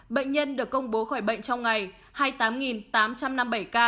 bệnh nhân được công bố khỏi bệnh trong ngày hai mươi tám tám trăm năm mươi bảy ca